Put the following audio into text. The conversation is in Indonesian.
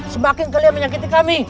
semakin kalian menyakiti kami